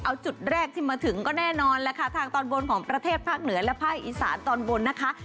เอาจุดแรกที่มาถึงก็แน่นอนแหละค่ะทางตอนบนของประเทศภาคเหนือและภาคอีสานตอนบนนะคะ